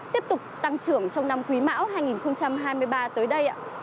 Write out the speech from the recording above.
tiếp tục tăng trưởng trong năm quý mão hai nghìn hai mươi ba tới đây ạ